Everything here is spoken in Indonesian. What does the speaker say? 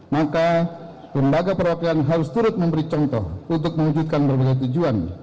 maka lembaga perwakilan harus turut memberi contoh untuk mewujudkan berbagai tujuan